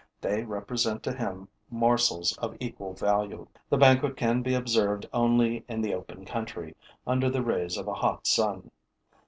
They represent to him morsels of equal value. This banquet can be observed only in the open country, under the rays of a hot sun.